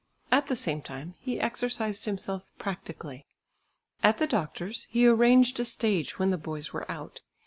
At the same time he exercised himself practically. At the doctor's he arranged a stage when the boys were out.